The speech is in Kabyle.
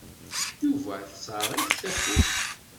Yuba tesserɣ-it tafukt.